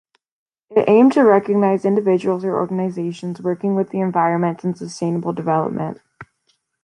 It aimed to recognize individuals or organizations working with the environment and sustainable development.